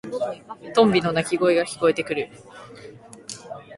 トンビの鳴き声が聞こえてくる。